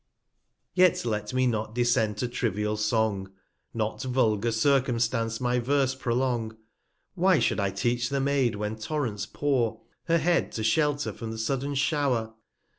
Yet let me not descend to. trivial Song, I Not vulgar Circumstance my Verse prolong; 180 Why should I teach the Maid when Torrents pour, Her Head to shelter from the sudden Show'r